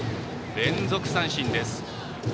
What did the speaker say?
連続三振です。